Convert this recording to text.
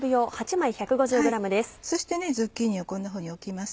そしてズッキーニをこんなふうに置きます。